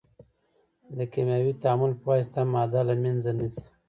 د کیمیاوي تعامل په واسطه ماده نه له منځه ځي.